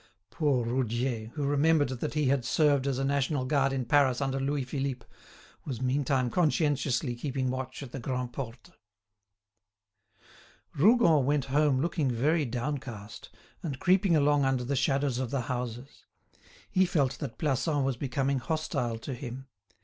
Poor Roudier, who remembered that he had served as a national guard in Paris under Louis Philippe, was meantime conscientiously keeping watch at the Grand' Porte. Rougon went home looking very downcast, and creeping along under the shadows of the houses. He felt that Plassans was becoming hostile to him.